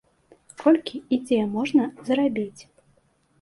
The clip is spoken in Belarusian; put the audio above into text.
Колькі і дзе можна зарабіць?